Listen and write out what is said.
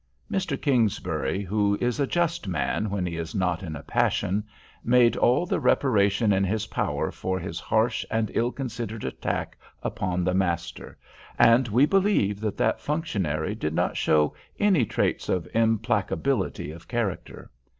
Mr. Kingsbury, who is a just man when he is not in a passion, made all the reparation in his power for his harsh and ill considered attack upon the master; and we believe that functionary did not show any traits of implacability of character.